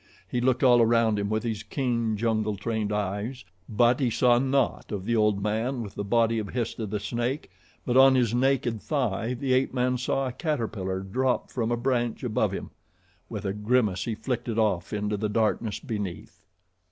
He looked all around him with his keen, jungle trained eyes, but he saw naught of the old man with the body of Histah, the snake, but on his naked thigh the ape man saw a caterpillar, dropped from a branch above him. With a grimace he flicked it off into the darkness beneath.